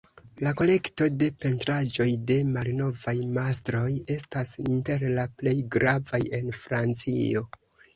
La kolekto de pentraĵoj de malnovaj mastroj estas inter la plej gravaj en Francio.